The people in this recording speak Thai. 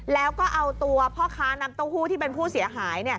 แล้วก็เอาตัวพ่อค้านำเต้าหู้ที่เป็นผู้เสียหาย